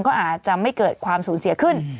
ก็อาจจะไม่เกิดความสูญเสียขึ้น